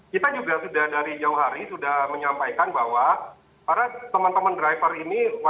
kita juga sudah dari jauh hari sudah menyampaikan bahwa para teman teman driver ini wajib mematuhi protokol yang berkaitan dengan kemampuan